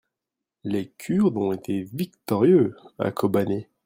les Kurdes ont été victorieux à Kobané.